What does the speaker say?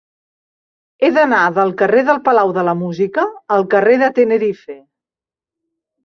He d'anar del carrer del Palau de la Música al carrer de Tenerife.